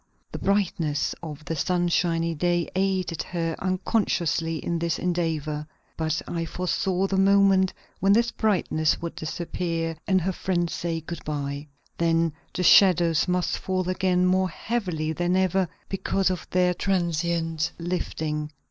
The brightness of the sunshiny day aided her unconsciously in this endeavor. But I foresaw the moment when this brightness would disappear and her friends say good by. Then the shadows must fall again more heavily than ever, because of their transient lifting.